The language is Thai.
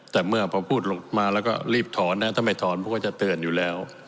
แต่เมื่อพอพูดมาแล้วก็รีบถอนนะถ้าไม่ถอนผมก็จะเตือนอยู่แล้ว